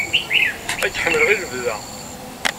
Ad k-ḥemmleɣ i lebda!